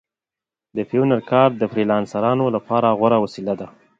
د پیونیر کارډ د فریلانسرانو لپاره غوره وسیله ده.